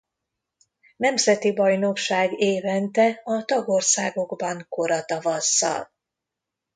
Nemzeti bajnokság évente a tagországokban kora tavasszal.